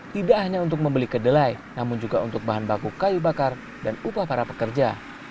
tidak hanya untuk membeli kedelai namun juga untuk bahan baku kayu bakar dan upah para pekerja